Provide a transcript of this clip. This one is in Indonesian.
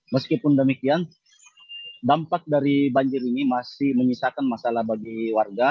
meskipun demikian dampak dari banjir ini masih menyisakan masalah bagi warga